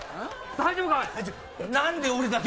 大丈夫か？